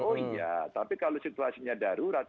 oh iya tapi kalau situasinya darurat